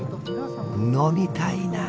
飲みたいなあ！